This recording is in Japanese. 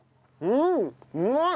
うん。